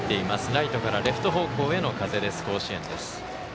ライトからレフト方向への風吹いている、甲子園です。